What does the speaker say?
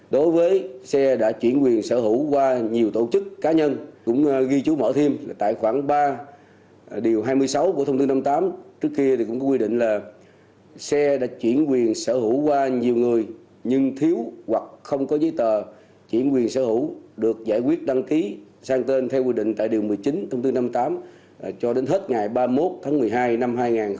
đối với xe đã chuyển quyền sở hữu qua nhiều tổ chức cá nhân cũng ghi chú mở thêm tại khoảng ba điều hai mươi sáu của thông tư năm mươi tám trước kia thì cũng có quy định là xe đã chuyển quyền sở hữu qua nhiều người nhưng thiếu hoặc không có giấy tờ chuyển quyền sở hữu được giải quyết đăng ký sang tên theo quy định tại điều một mươi chín thông tư năm mươi tám cho đến hết ngày ba mươi một tháng một mươi hai năm hai nghìn hai mươi một